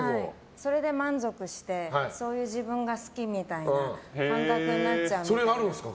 それで満足してそういう自分が好きみたいなそれがあるんですか？